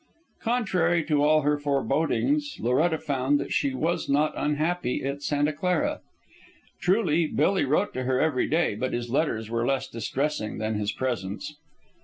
Contrary to all her forebodings, Loretta found that she was not unhappy at Santa Clara. Truly, Billy wrote to her every day, but his letters were less distressing than his presence.